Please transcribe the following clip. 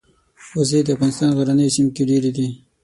وزې د افغانستان غرنیو سیمو کې ډېرې دي